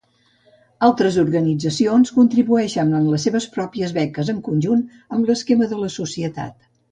Altres organitzacions contribueixen amb les seves pròpies beques en conjunt amb l'esquema de la societat.